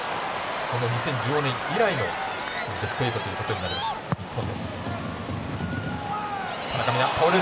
２０１５年以来のベスト８ということになります日本です。